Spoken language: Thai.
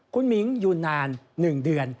คุณมิ้งอยู่นาน๑เดือน